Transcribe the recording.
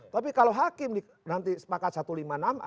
tapi kalau hakim nanti sepakat satu ratus lima puluh enam a